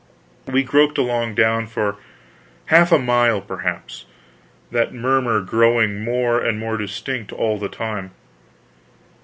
We groped along down for half a mile, perhaps, that murmur growing more and more distinct all the time.